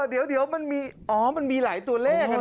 เออเดี๋ยวมันมีหลายตัวเลข